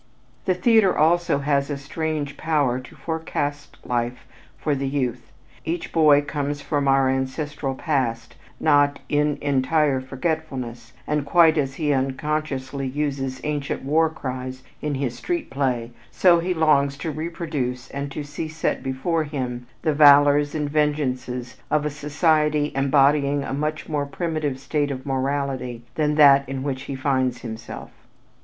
The theater also has a strange power to forecast life for the youth. Each boy comes from our ancestral past not "in entire forgetfulness," and quite as he unconsciously uses ancient war cries in his street play, so he longs to reproduce and to see set before him the valors and vengeances of a society embodying a much more primitive state of morality than that in which he finds himself.